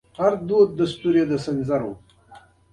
هغه سړی چې انځور ور ته ویلي وو، زما تر راتګه اوسه ناست و.